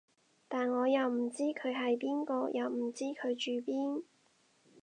但我又唔知佢係邊個，又唔知佢住邊